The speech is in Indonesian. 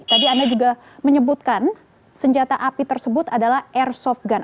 tadi anda juga menyebutkan senjata api tersebut adalah airsoft gun